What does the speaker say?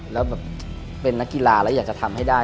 แล้วแบบเป็นนักกีฬาแล้วอยากจะทำให้ได้